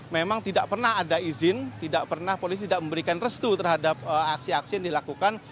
memang tidak pernah ada izin tidak pernah polisi tidak memberikan restu terhadap aksi aksi yang dilakukan